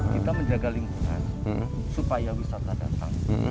kita menjaga lingkungan supaya wisata datang